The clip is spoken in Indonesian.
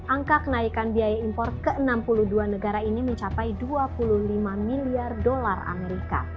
angka kenaikan biaya impor ke enam puluh dua negara ini mencapai dua puluh lima miliar dolar amerika